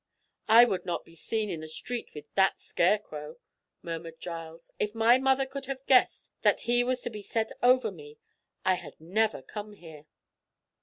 "I would not be seen in the street with that scarecrow," murmured Giles. "If my mother could have guessed that he was to be set over me, I had never come here."